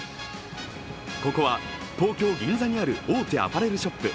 ここは東京・銀座にある大手アパレルショップ